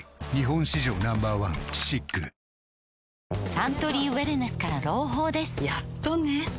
サントリーウエルネスから朗報ですやっとね